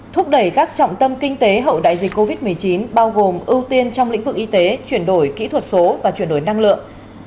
thúc đẩy các trọng tâm kinh tế hậu đại dịch covid một mươi chín bao gồm ưu tiên trong lĩnh vực y tế chuyển đổi kỹ thuật số và chuyển đổi năng lượng